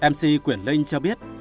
mc quyền linh cho biết